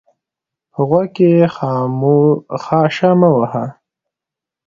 په غوږ کښي خاشه مه وهه!